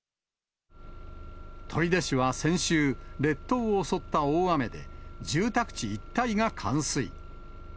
取手市は先週、列島を襲った大雨で、住宅地一帯が冠水。